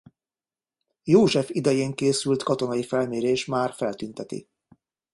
József idején készült katonai felmérés már feltünteti.